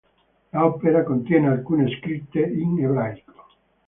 L'opera contiene alcune scritte in ebraico.